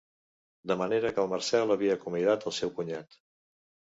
De manera que el Marcel havia acomiadat el seu cunyat.